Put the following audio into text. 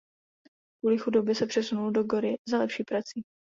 Kvůli chudobě se přesunul do Gori za lepší prací.